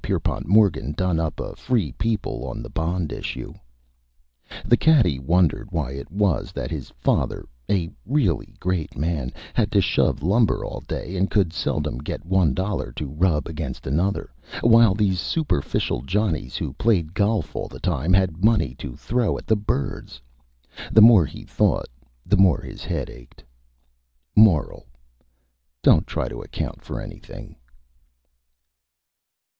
Pierpont Morgan done up a Free People on the Bond Issue. [Illustration: MEDITATIVE CADDY] The Caddy wondered why it was that his Father, a really Great Man, had to shove Lumber all day and could seldom get one Dollar to rub against another, while these superficial Johnnies who played Golf all the Time had Money to Throw at the Birds. The more he Thought the more his Head ached. MORAL: _Don't try to Account for Anything.